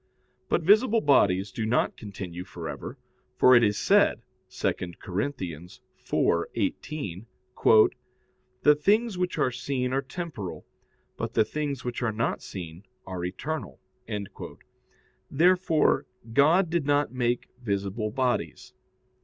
But visible bodies do not continue for ever, for it is said (2 Cor. 4:18): "The things which are seen are temporal, but the things which are not seen are eternal." Therefore God did not make visible bodies.